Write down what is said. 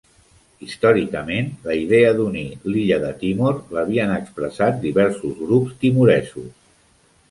Històricament, la idea d'unir l'illa de Timor l'havien expressat diversos grups timoresos.